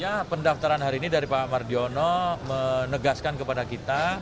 ya pendaftaran hari ini dari pak mardiono menegaskan kepada kita